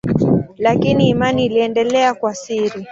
Lakini imani iliendelea kwa siri.